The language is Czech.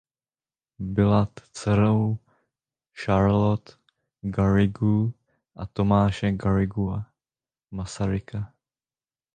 Byla dcerou Charlotte Garrigue a Tomáše Garrigua Masaryka.